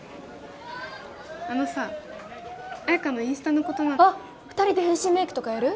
あのさ彩花のインスタのことなあっ二人で変身メイクとかやる？